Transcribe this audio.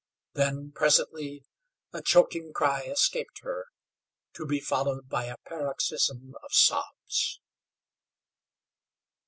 Then, presently, a choking cry escaped her, to be followed by a paroxysm of sobs.